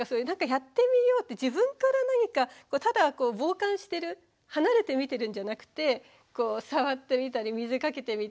やってみようって自分から何かただ傍観してる離れて見てるんじゃなくて触ってみたり水かけてみたりね